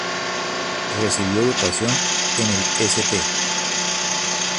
Recibió educación en el St.